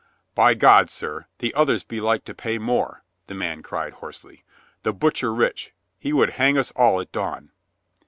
"By God, sir, the others be like to pay more," the man cried hoarsely. "The butcher Rich, he would hang us all at dawn."